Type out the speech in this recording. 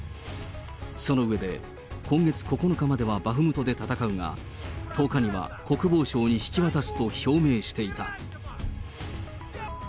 その上で、今月９日まではバフムトで戦うが、１０日には国防省に引き渡すと表明していた。